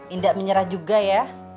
indah menyerah juga ya